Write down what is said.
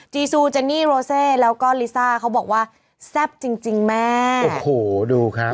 ซูเจนี่โรเซแล้วก็ลิซ่าเขาบอกว่าแซ่บจริงจริงแม่โอ้โหดูครับ